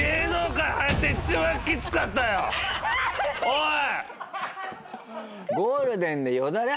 おい！